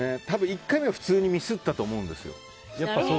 １回目、普通にミスったと思うんですよ。